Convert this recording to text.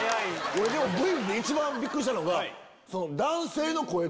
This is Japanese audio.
俺ＶＴＲ見て一番びっくりしたのが。